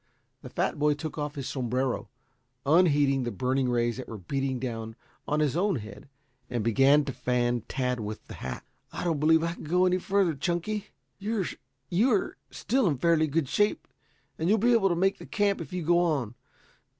The fat boy took off his sombrero, unheeding the burning rays that were beating down on his own head, and began to fan Tad with the hat. "I don't believe I can go any further, Chunky. You are still in fairly good shape and you'll be able to make the camp if you go on.